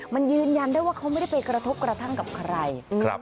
มันยืนยันได้ว่าเขาไม่ได้ไปกระทบกระทั่งกับใคร